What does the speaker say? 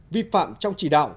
vi phạm trong chỉ đạo